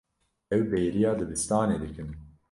Ew bêriya dibistanê dikin.